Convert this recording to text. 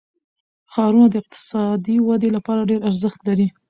ښارونه د اقتصادي ودې لپاره ډېر ارزښت لري.